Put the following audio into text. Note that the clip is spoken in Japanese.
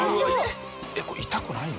これ痛くないの？